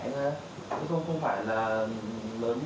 một ngày thì khoảng bao nhiêu chuyển sát